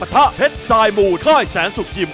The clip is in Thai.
ทะเพชรสายหมู่ค่ายแสนสุกิม